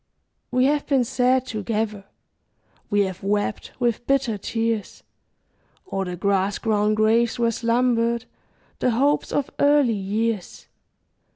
We have been sad together; We have wept with bitter tears O'er the grass grown graves where slumbered The hopes of early years.